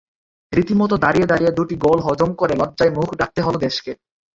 রীতিমতো দাঁড়িয়ে দাঁড়িয়ে দুটি গোল হজম করে লজ্জায় মুখ ঢাকতে হলো দেশকে।